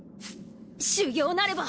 修行なれば！